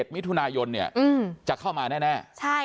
๗มิถุนายนเนี่ยอืมจะเข้ามาแน่ใช่